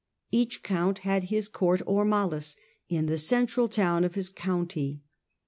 Each count had his court or mallus in the central town of his county.